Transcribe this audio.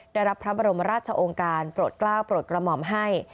ได้รับพระบรมราชองค์การโปรดกล้าวโปรดกระหม่อมให้